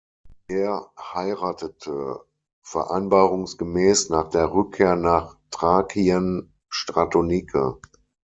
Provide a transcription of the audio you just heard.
Er heiratete vereinbarungsgemäß nach der Rückkehr nach Thrakien Stratonike.